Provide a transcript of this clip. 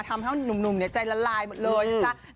ทำให้หนุ่มใจละลายหมดเลย